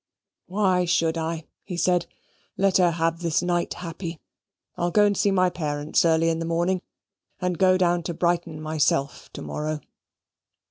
"Why should I?" said he. "Let her have this night happy. I'll go and see my parents early in the morning, and go down to Brighton myself to morrow."